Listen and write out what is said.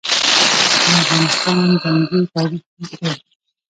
د افغانستان جنګي تاریخ اوږد دی.